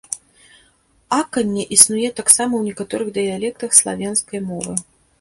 Аканне існуе таксама ў некаторых дыялектах славенскай мовы.